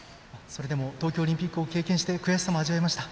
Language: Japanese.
それでも東京オリンピックを経験して、悔しさも味わいました。